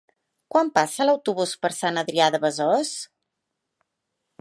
Quan passa l'autobús per Sant Adrià de Besòs?